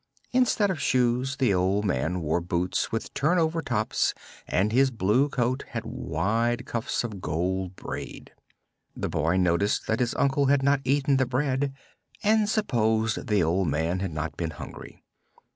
Instead of shoes, the old man wore boots with turnover tops and his blue coat had wide cuffs of gold braid. The boy noticed that his uncle had not eaten the bread, and supposed the old man had not been hungry.